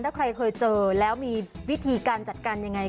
ถ้าใครเคยเจอแล้วมีวิธีการจัดการยังไง